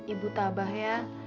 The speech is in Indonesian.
ibu tabah ya